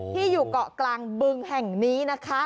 ที่อยู่เกาะกลางบึงแห่งนี้นะคะ